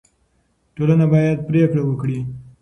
ټولنه باید پرېکړه وکړي.